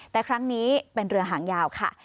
แต่ครั้งนี้เป็นเรือหางยาวค่ะ